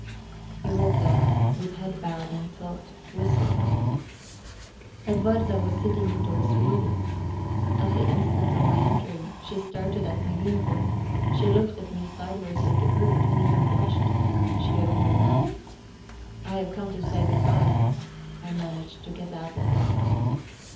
He walked off, with head bowed in thought, whistling. Edwarda was sitting indoors, reading. At the instant of my entering, she started at my uniform; she looked at me sideways like a bird, and even blushed. She opened her mouth. "I have come to say good bye," I managed to get out at last.